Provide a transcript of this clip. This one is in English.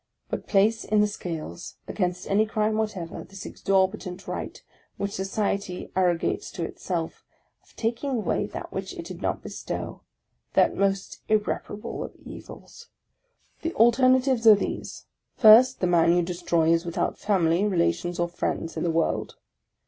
But place in the scales, against any crime whatever, this exorbitant right, which society arro gates to itself, of taking away that which it did not bestow: that most irreparable of evils ! The alternatives are these: First, the man you destroy is without family, relations, or friends, in the world.